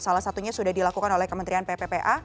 salah satunya sudah dilakukan oleh kementerian pppa